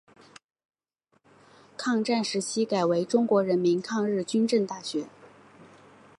抗战时期改为中国人民抗日军政大学。